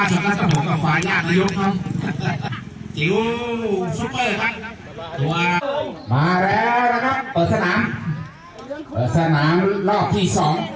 ฮือหมุนที่นึงมาแล้วนะครับเปิดสนามเปิดสนามรอบที่สอง